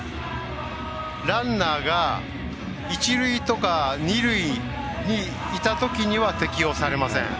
ランナーが一塁とか二塁にいたときには適用されません。